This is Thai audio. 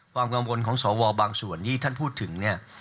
ความกังวลของสวบางส่วนนี้ท่านพูดถึง